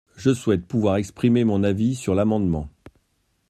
Je souhaite pouvoir exprimer mon avis sur l’amendement.